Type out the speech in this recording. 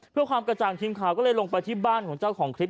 เพื่อความกระจ่างทีมข่าวก็เลยลงไปที่บ้านของเจ้าของคลิป